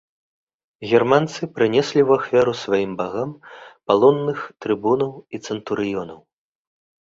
Германцы прынеслі ў ахвяру сваім багам палонных трыбунаў і цэнтурыёнаў.